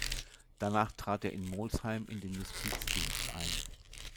Danach trat er in Molsheim in den Justizdienst ein.